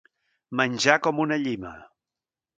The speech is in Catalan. Menjar com una llima.